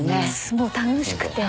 もう楽しくて。